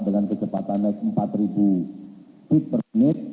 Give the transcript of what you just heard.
dengan kecepatan naik empat ribu feet per menit